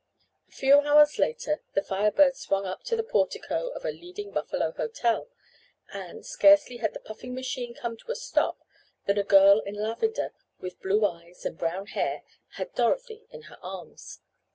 A few hours later the Fire Bird swung up to the portico of a leading Buffalo hotel, and, scarcely had the puffing machine come to a stop than a girl in lavender, with blue eyes and brown hair, had Dorothy in her arms.